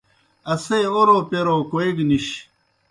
اسے اوْرَو پیْرو کوئے گہ نِش۔